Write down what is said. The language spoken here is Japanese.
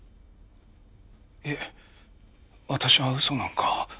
いえ私は嘘なんか。